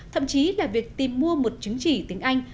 thậm chí là việc tìm mua một chứng chỉ tiếng anh